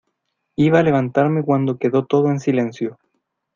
iba a levantarme cuando quedó todo en silencio.